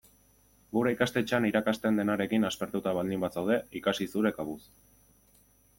Gure ikastetxean irakasten denarekin aspertuta baldin bazaude, ikasi zure kabuz.